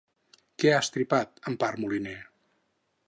Què ha estripat Empar Moliner?